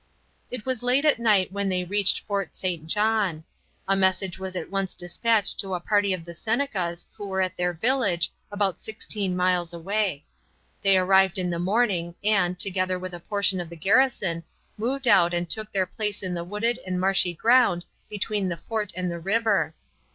It was late at night when they reached Fort St. John. A message was at once dispatched to a party of the Senecas who were at their village, about sixteen miles away. They arrived in the morning and, together with a portion of the garrison, moved out and took their place in the wooded and marshy ground between the fort and the river.